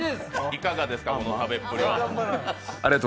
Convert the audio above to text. いかがですか、この食べっぷりは。